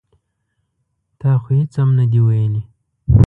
ـ تا خو هېڅ هم نه دي ویلي.